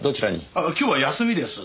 ああ今日は休みです。